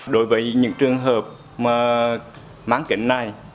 đối với những trường hợp mà máng kính này